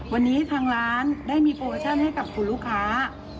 วันนี้ทางร้านได้มีโปรโมชั่นให้กับคุณลูกค้า